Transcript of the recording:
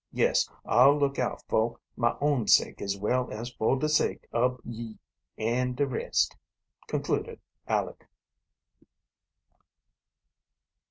Yes, I'll look out fo' my own sake as well as fo' de sake ob Ye and de rest," concluded Aleck.